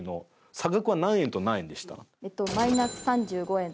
差額は何円と何円でした？